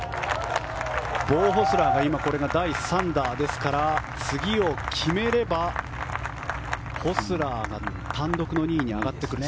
ボウ・ホスラーが第３打ですから次を決めればホスラーが単独の２位に上がってきます。